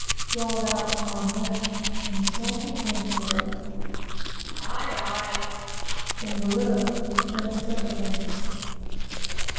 drawled out from on deck, and the sulky answer of "Aye, aye!" from below, sent us up again.